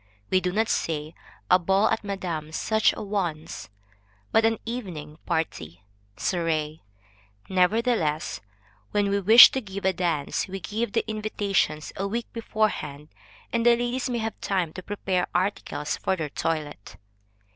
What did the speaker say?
We do not say, a ball at Madam such a one's, but an evening party (soirée). Nevertheless, when we wish to give a dance, we give the invitations a week beforehand, that the ladies may have time to prepare articles for their toilet.